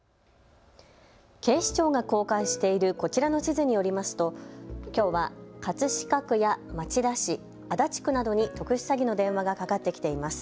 警視庁が公開しているこちらの地図によりますときょうは葛飾区や町田市、足立区などに特殊詐欺の電話がかかってきています。